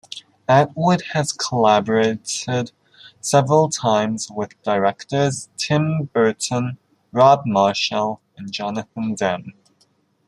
Atwood has collaborated several times with directors Tim Burton, Rob Marshall and Jonathan Demme.